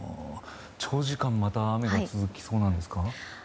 長時間また雨が続きそうなんですか？